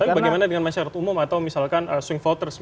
tapi bagaimana dengan masyarakat umum atau misalkan swing voters